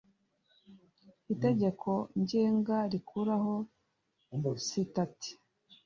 itegeko ngenga rikuraho sitati